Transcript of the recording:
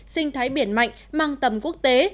sinh thái biển mạnh mang tầm quốc tế